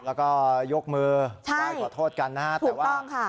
แล้วก็ยกมือไหว้ขอโทษกันนะฮะแต่ว่า